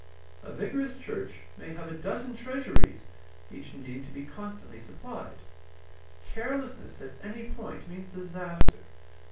A vigorous church may have a dozen treasuries, each needing to be con stantly supplied. Carelessness at any point means disaster.